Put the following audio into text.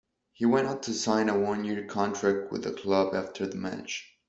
He went on to sign a one-year contract with the club after the match.